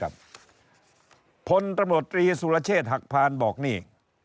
พตศหักพานบอกนี่